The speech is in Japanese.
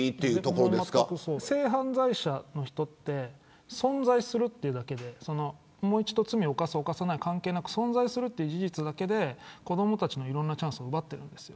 性犯罪者の人って存在するというだけでもう一度罪を犯す犯さない関係なく存在する事実だけで子どもたちのいろんなチャンスを奪ってるんですよ。